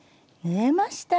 縫えました。